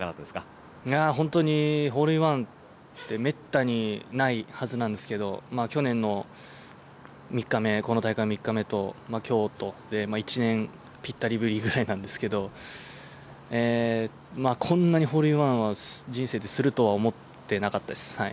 本当にホールインワンってめったにないはずなんですけど、去年の３日目、この大会の３日目と今日とで１年ぴったりぶりぐらいなんですけど、こんなにホールインワンは人生でするとは思ってなかったです。